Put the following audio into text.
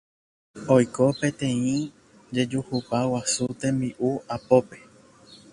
Oiko peteĩ jejuhupa guasu tembi'u apópe